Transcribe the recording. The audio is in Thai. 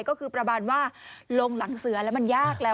ก็คือประมาณว่าลงหลังเสือแล้วมันยากแล้ว